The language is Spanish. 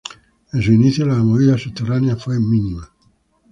En sus inicios, la movida subterránea fue mínima.